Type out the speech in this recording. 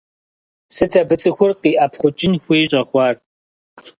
Сыт абы цӀыхур къиӀэпхъукӀын хуей щӀэхъуар?